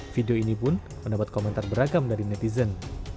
video ini pun mendapat komentar beragam dari netizen